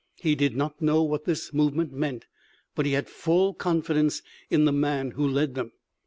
He did not know what this movement meant, but he had full confidence in the man who led them.